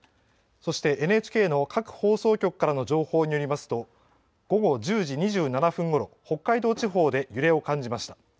そしてＮＨＫの各放送局からの情報によりますと午後１０時２７分ごろ北海道地方で揺れを感じました。